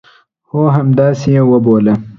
هو، همداسي یې وبوله